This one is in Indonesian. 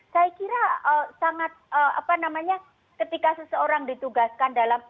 saya kira sangat apa namanya ketika seseorang ditugaskan dalam